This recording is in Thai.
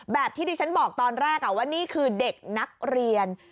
แบบที่ดิฉันบอกตอนแรกว่านี่คือเด็กนักเรียน